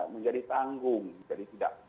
menjadi tanggung jadi tidak